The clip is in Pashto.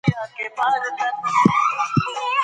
ذهن مجرد موجوداتو ته مخه کوي.